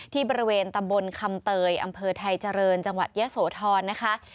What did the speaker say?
ที่บริเวณตำบลคำเตยอำเภอไทยเจริญจังหวัดยะโสธรนะคะ